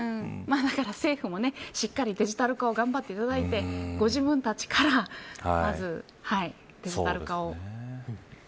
だから政府もしっかりデジタル化を頑張ってもらってご自分たちから、まずデジタル化を。